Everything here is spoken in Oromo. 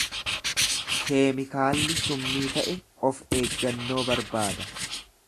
Keemikaalli summii ta’e of-eeggannoo barbaada.